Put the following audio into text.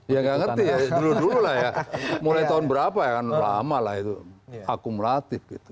ya nggak ngerti ya dulu dulu lah ya mulai tahun berapa ya kan lama lah itu akumulatif gitu